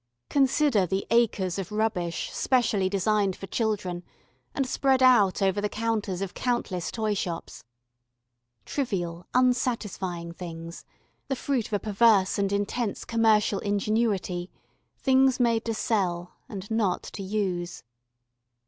Consider the acres of rubbish specially designed for children and spread out over the counters of countless toy shops. Trivial, unsatisfying things, the fruit of a perverse and intense commercial ingenuity: things made to sell, and not to use.